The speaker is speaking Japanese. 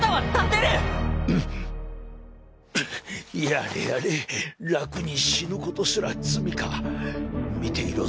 やれやれ楽に死ぬことすら罪か見ていろ